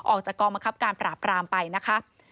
ออกจากกองบังคับการปราบรามไปนะคะ